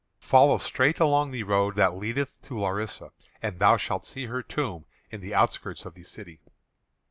"Follow straight along the road that leadeth to Larissa, and thou shalt see her tomb in the outskirts of the city."